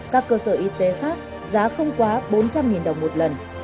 các cơ sở y tế khác giá không quá bốn trăm linh đồng một lần